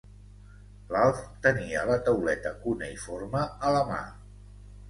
L'Alf tenia la tauleta cuneïforme a la mà.